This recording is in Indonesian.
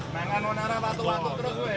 menganonara orang tua allah